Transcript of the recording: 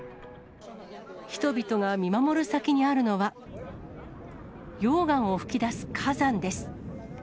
人々が見守る先にあるのは、溶岩を噴き出す火山です。